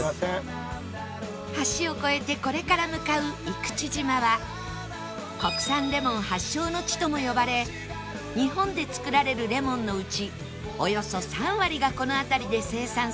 橋を越えてこれから向かう生口島は国産レモン発祥の地とも呼ばれ日本で作られるレモンのうちおよそ３割がこの辺りで生産されています